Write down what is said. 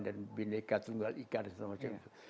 dan bineka tunggal ikat dan semacam itu